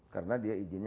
karena dia izinnya